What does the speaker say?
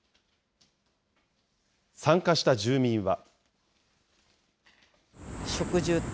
参加した住民は。